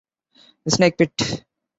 "The Snake Pit".